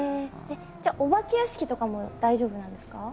じゃあお化け屋敷とかも大丈夫なんですか？